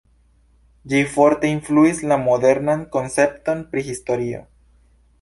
Ĝi forte influis la modernan koncepton pri historio.